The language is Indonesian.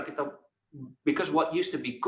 karena apa yang dulu cukup baik